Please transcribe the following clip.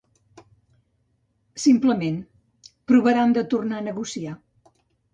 Simplement, provaran de tornar a negociar.